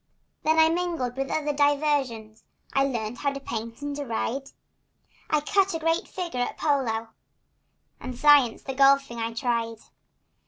Then I mingled with other diversions. I learned how to paint and to ride; I cut a great figure at polo— The science of golfing I tried.